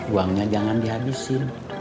uangnya jangan dihabisin